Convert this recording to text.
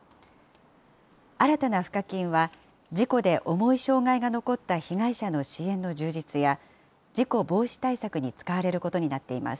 新たな賦課金は事故で重い障害が残った被害者の支援の充実や、事故防止対策に使われることになっています。